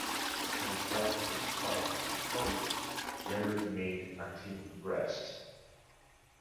At the sight of the scarf the culprit generally made a clean breast.